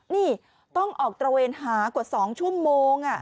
นี่ต้องออกตระเวนหากว่า๒ชั่วโมง